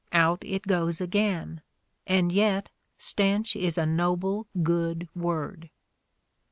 Out it goes again. And yet "stench" is a noble, good word.